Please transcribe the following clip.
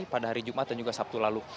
pada hari jumat dan juga sabtu lalu